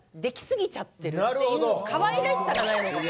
かわいらしさがないのかも。